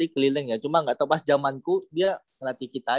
kalau gak salah ya